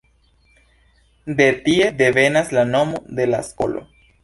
De tie devenas la nomo de la skolo.